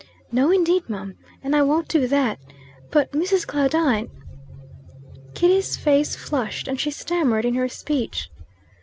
"No, indeed, mum; and I won't do that. But Mrs. Claudine " Kitty's face flushed, and she stammered in her speech.